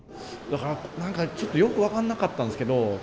何かちょっとよく分かんなかったんですけど子どもの頃。